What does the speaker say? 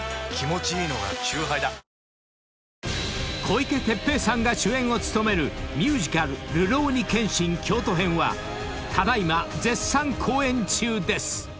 ［小池徹平さんが主演を務める『ミュージカルるろうに剣心京都編』はただ今絶賛公演中です］